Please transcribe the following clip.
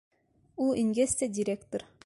Ул ингәс тә директор: